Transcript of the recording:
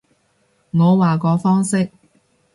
我話個方式